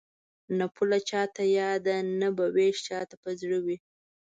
نه به پوله چاته یاده نه به وېش چاته په زړه وي